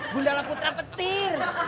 gundala putra petir